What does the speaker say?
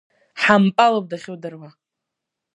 Ҳампалуп дахьудыруа!